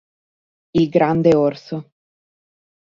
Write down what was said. Il grande orso